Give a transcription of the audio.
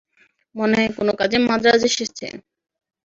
মনে হয় কোন কাজে মাদ্রাজ এসেছে।